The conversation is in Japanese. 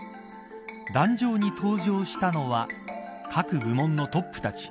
壇上に登場したのは各部門のトップたち。